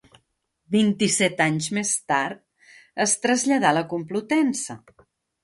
Vint-i-set anys més tard, es traslladà a la Complutense.